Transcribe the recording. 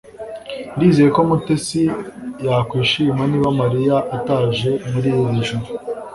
Ndizera ko Mutesi yakwishima niba Mariya ataje muri iri joro